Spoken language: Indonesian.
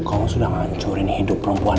kamu sudah ngancurin hidup perempuan